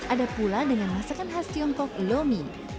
ada pula dengan masakan khas tiongkok lo mee